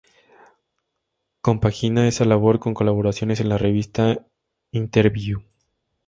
Compagina esa labor con colaboraciones en la revista "Interviú".